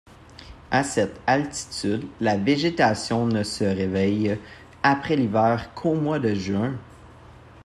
À cette altitude, la végétation ne se réveille après l’hiver qu’au mois de juin.